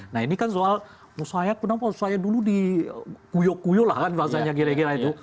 nah ini kan soal kenapa saya dulu dikuyok kuyok lah kan bahasanya kira kira itu